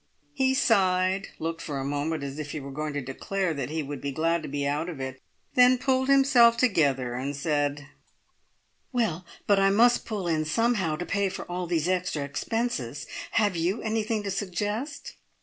He sighed, looked for a moment as if he were going to declare that he would be glad to be out of it, then pulled himself together and said: "Well, but I must pull in somehow to pay for all these extra expenses! Have you anything to suggest?"